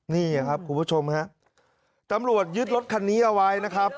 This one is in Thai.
นี่ครับคุณผู้ชมฮะตำรวจยึดรถคันนี้เอาไว้นะครับ